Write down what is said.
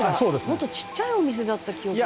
「もっとちっちゃいお店だった記憶が」